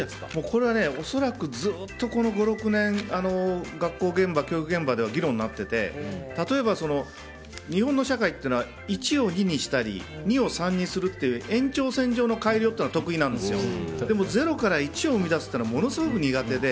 これは恐らくずっと５６年学校現場、教育現場では議論になっていて例えば、日本の社会というのは１を２にしたり２を３にするっていう延長線上のものは得意なんですけど０から１を生み出すのはものすごく苦手で。